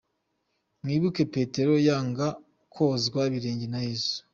Mwibuke Petero yanga kozwa ibirenge na Yesu.